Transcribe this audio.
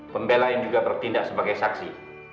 pembelain juga bertindak sebagai saksi